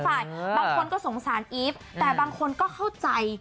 บางคนก็สงสารอีฟแต่บางคนก็เข้าใจ